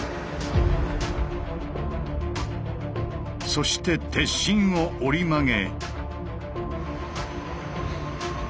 そして鉄心を折り曲げ。